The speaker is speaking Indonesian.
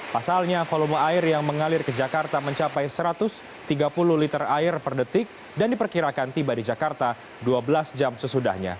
pasalnya volume air yang mengalir ke jakarta mencapai satu ratus tiga puluh liter air per detik dan diperkirakan tiba di jakarta dua belas jam sesudahnya